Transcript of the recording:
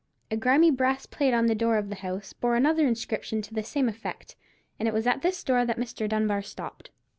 A grimy brass plate on the door of the house bore another inscription to the same effect; and it was at this door that Mr. Dunbar stopped.